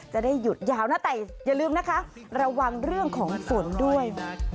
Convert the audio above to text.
จะได้หยุดยาวนะแต่อย่าลืมนะคะระวังเรื่องของฝนด้วย